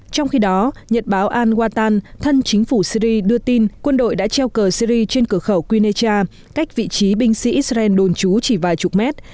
trong khi đó nhật báo al watan thân chính phủ syri đưa tin quân đội đã treo cờ syri trên cửa khẩu qunecha cách vị trí binh sĩ israel đồn trú chỉ vài chục mét